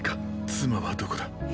妻はどこだ。